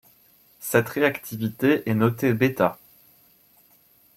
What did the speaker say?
Cette réactivité est notée β.